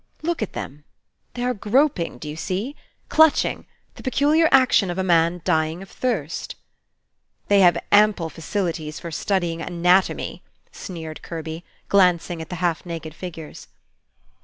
Look at them! They are groping, do you see? clutching: the peculiar action of a man dying of thirst." "They have ample facilities for studying anatomy," sneered Kirby, glancing at the half naked figures.